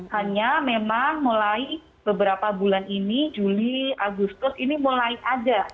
hanya memang mulai beberapa bulan ini juli agustus ini mulai ada